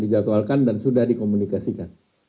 dijadwalkan dan sudah dikomunikasikan